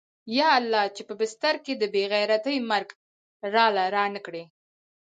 يا الله چې په بستر کې د بې غيرتۍ مرگ راله رانه کې.